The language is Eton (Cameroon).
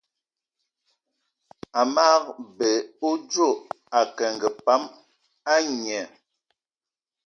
Amage bè odjo akengì pam a ngné.